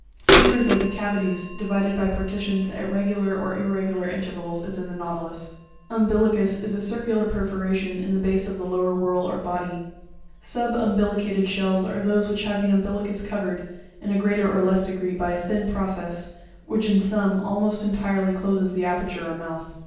Chambers are the cavities, divided by partitions at regular or irregular intervals, as in the Nautilus ( fig. 15, page 30). _ Umbilicus is a circular perforation in the base of the lower whorl or body. (See page 38). Sub umbilicated shells, are those which have the umbilicus covered, in a greater or less degree, by a thin process ; which, in some, almost entirely closes the aperture or mouth.